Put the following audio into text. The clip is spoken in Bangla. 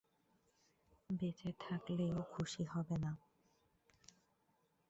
বেঁচে থাকলে ও খুশি হবে না।